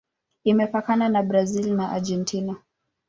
Imepakana na Brazil na Argentina.